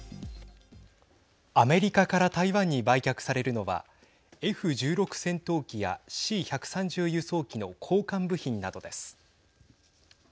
アメリカから台湾に売却されるのはＦ１６戦闘機やＣ１３０輸送機の交換部品などです。